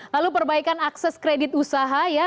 lalu perbaikan akses kredit usaha ya